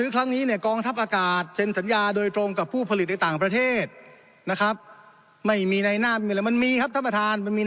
บริษัทจะขึ้นต้นที่ตัวที